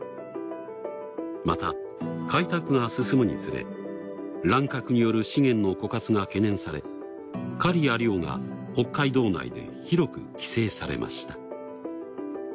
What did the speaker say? また開拓が進むにつれ乱獲による資源の枯渇が懸念され狩りや漁が北海道内で広く規制されました。